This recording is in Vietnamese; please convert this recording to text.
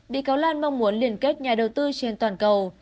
bị cáo lan mong muốn liên kết nhà đầu tư trên toàn cầu